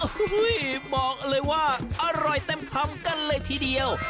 โอ้โหบอกเลยว่าอร่อยเต็มคำกันเลยทีเดียว